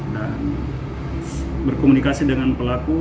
dan berkomunikasi dengan pelaku